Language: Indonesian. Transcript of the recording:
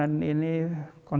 kontroversi dan kegiatan